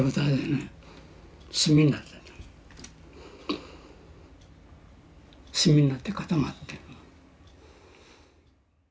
炭になって固まって。